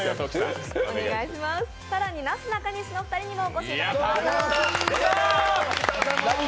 更に、なすなかにしのお二人にもお越しいただきました。